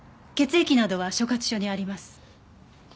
血液などは所轄署にあります。